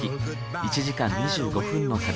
１時間２５分の旅。